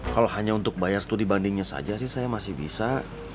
kalau hanya untuk bayar studi bandingnya saja sih saya masih bisa